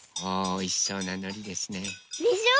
おいしそうなのりですね。でしょ？